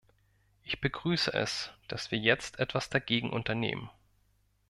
Ich begrüße es, dass wir jetzt etwas dagegen unternehmen.